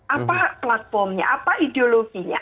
apa platformnya apa ideologinya